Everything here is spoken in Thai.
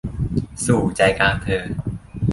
"สู่ 'ใจกลางเธอ'"